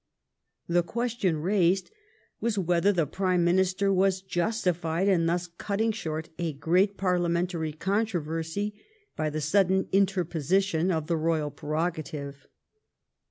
The question raised was whether the Prime Minister was justified in thus cutting short a great Parliamentary controversy by the sudden interposition of the royal prerogative.